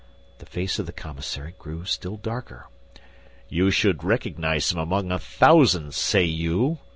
The face of the commissary grew still darker. "You should recognize him among a thousand, say you?"